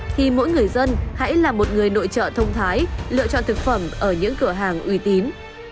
thì mỗi người dân hãy là một người nội trợ thông thái lựa chọn thực phẩm ở những cửa hàng uy tín